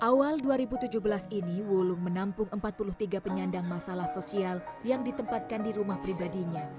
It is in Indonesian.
awal dua ribu tujuh belas ini wulung menampung empat puluh tiga penyandang masalah sosial yang ditempatkan di rumah pribadinya